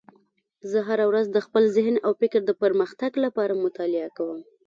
زه هره ورځ د خپل ذهن او فکر د پرمختګ لپاره مطالعه کوم